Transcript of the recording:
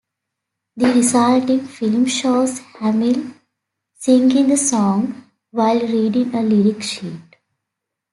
The resulting film shows Hammill singing the song while reading a lyric sheet.